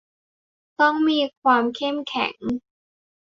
ต้องมีความเข้มแข็ง